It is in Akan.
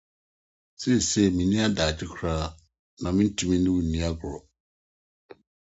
Seesei minni adagyew koraa, na mintumi ne wo nni agorɔ.